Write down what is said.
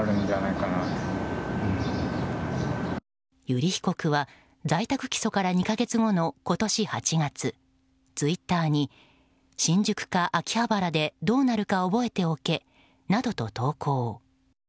油利被告は在宅起訴から２か月後の、今年８月ツイッターに新宿か秋葉原でどうなるか覚えておけなどと投稿。